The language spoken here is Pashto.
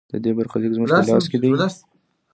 د دې برخلیک زموږ په لاس کې دی؟